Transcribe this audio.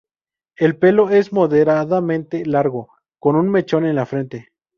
El pelo es moderadamente largo, con un mechón en la frente.